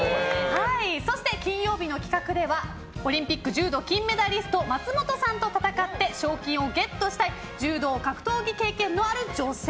そして金曜日の企画ではオリンピック柔道金メダリスト松本さんと戦って賞金をゲットしたい柔道・格闘技経験のある女性